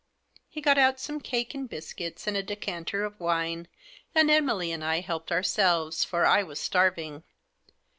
He got out some cake, and biscuits, and a decanter of wine, and Emily and I helped ourselves, for I was starving.